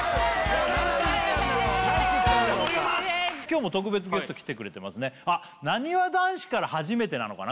今日も特別ゲストきてくれてますねあっなにわ男子から初めてなのかな